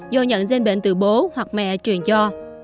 do nhận gen bệnh từ bố hoặc mẹ truyền cho